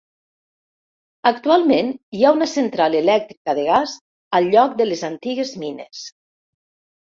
Actualment hi ha una central elèctrica de gas al lloc de les antigues mines.